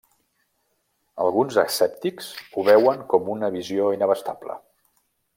Alguns escèptics ho veuen com una visió inabastable.